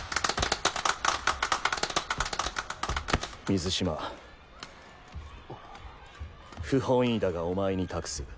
水嶋不本意だがお前に託す。